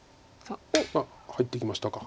あっ入ってきましたか。